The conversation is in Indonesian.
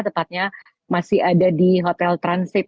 tepatnya masih ada di hotel transit